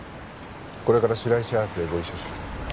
これから白石アーツへご一緒します。